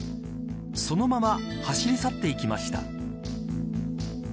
そのまま走り去っていきました。